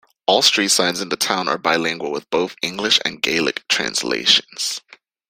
All street signs in the town are bilingual with both English and Gaelic translations.